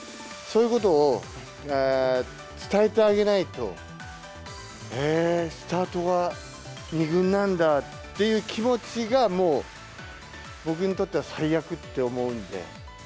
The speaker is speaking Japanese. そういうことを伝えてあげないと、えー、スタートが２軍なんだっていう気持ちが、もう僕にとっては最悪って思うんで。